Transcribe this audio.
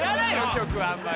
曲あんまり。